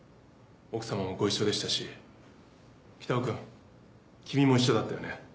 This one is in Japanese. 奥様もご一緒でしたし北尾君君も一緒だったよね。